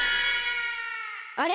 あれ？